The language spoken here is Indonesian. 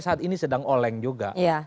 saat ini sedang oleng juga